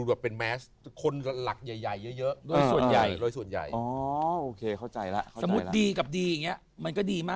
ดูละเป็นแมสค์คนหลักยัยเยอะเรื่องส่วนใหญ่เข้าใจล่ะสมมติดีกับดีที่นี้มันก็ดีมาก